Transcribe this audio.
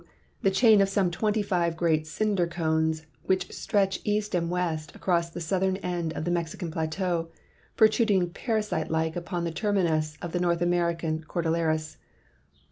The chain of some twenty five great cinder cones which stretch east and west across the southern end of the Mexican plateau, protruding parasite like upon the terminus of the North American cordilleras.